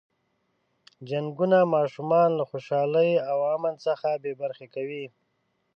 جنګونه ماشومان له خوشحالۍ او امن څخه بې برخې کوي.